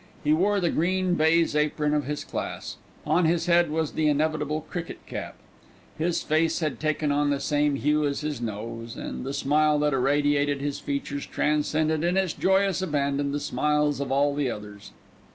He wore the green baize apron of his class. On his head was the inevitable cricket cap. His face had taken on the same hue as his nose, and the smile that irradiated his features transcended in its joyous abandon the smiles of all the others.